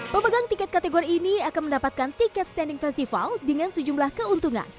pemegang tiket kategori ini akan mendapatkan tiket standing festival dengan sejumlah keuntungan